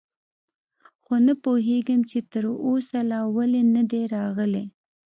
خو نه پوهېږم، چې تراوسه لا ولې نه دي راغلي.